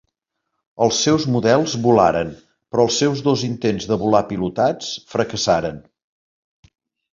Els seus models volaren però els seus dos intents de volar pilotats fracassaren.